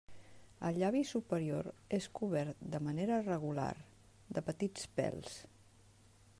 El llavi superior és cobert de manera regular de petits pèls.